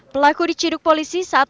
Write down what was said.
pelaku diciduk polisi saat